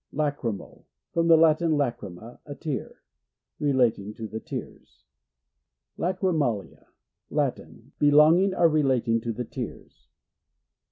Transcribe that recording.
Lachrymal. — From the Latin, lacry ma, a tear. Relating to the tears. Lachrymalia. — Latin. Belonging or relating to the tears.